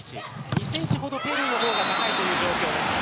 ２ｃｍほどペルーの方が高いという状況です。